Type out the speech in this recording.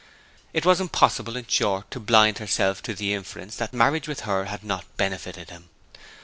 It was impossible, in short, to blind herself to the inference that marriage with her had not benefited him.